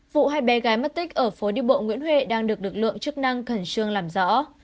vụ hai bé gái mất tích ở phố đi bộ nguyễn huệ đang được lực lượng chức năng khẩn trương làm rõ